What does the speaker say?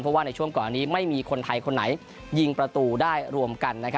เพราะว่าในช่วงก่อนอันนี้ไม่มีคนไทยคนไหนยิงประตูได้รวมกัน